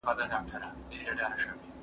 زه اوس درسونه اورم!